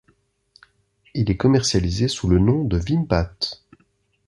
Il est commercialisé sous le nom de Vimpat.